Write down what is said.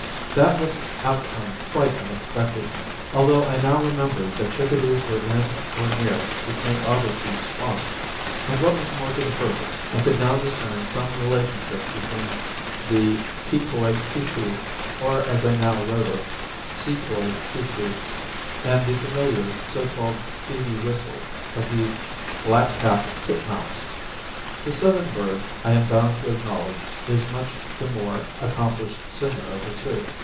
That was an outcome quite unexpected, although I now remembered that chickadees were in or near the St. Augustine swamp; and what was more to the purpose, I could now discern some relationship between the tee koi, tee koo (or, as I now wrote it, see toi, see too), and the familiar so called phoebe whistle of the black capped titmouse. The Southern bird, I am bound to acknowledge, is much the more accomplished singer of the two.